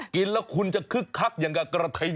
กินแล้วคุณจะคึกคักอย่างกับกระทิง